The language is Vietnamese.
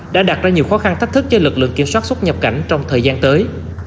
đã đặt ra nhiều khó khăn thách thức cho lực lượng kiểm soát xuất nhập cảnh trong thời gian tới